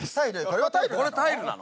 これタイルなの？